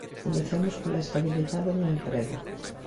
Comecemos pola estabilidade no emprego.